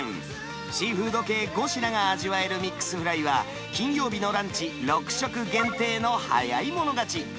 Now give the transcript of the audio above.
シーフード系５品が味わえるミックスフライは、金曜日のランチ６食限定の早い者勝ち。